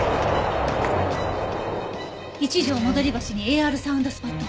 一条戻橋にＡＲサウンドスポットは？